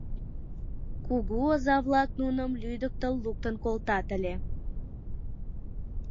Кугу озак-влак нуным лӱдыктыл луктын колтат ыле.